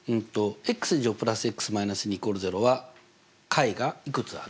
＋−２＝０は解がいくつある？